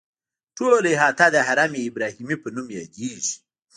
ټوله احاطه د حرم ابراهیمي په نوم یادیږي.